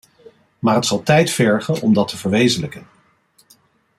Maar het zal tijd vergen om dat te verwezenlijken.